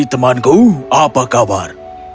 hei temanku apa kabar